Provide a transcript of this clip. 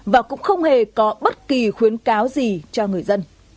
và cũng không hề có bất kỳ khuyến cáo gì cho người dân